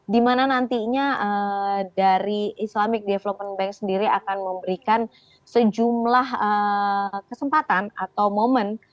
di mana nantinya dari islamic development bank sendiri akan memberikan sejumlah kesempatan atau momen